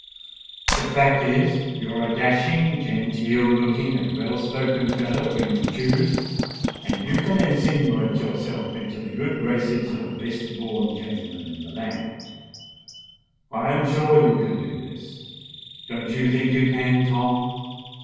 The fact is, you're a dashing, genteel looking, and well spoken fellow when you choose; and you can insinuate yourself into the good graces of the best born gentlemen in the land. I am sure you can do this—don't you think you can, Tom?"